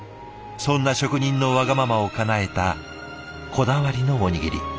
そんな職人のわがままをかなえたこだわりのおにぎり。